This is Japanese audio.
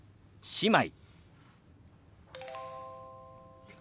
姉妹。